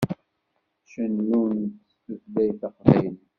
Cennunt s tutlayt taqbaylit.